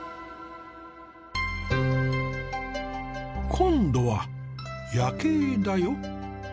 今度は夜景だよ。